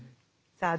さあ